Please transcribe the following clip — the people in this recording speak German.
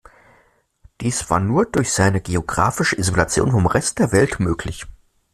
Dies war nur durch seine geografische Isolation vom Rest der Welt möglich.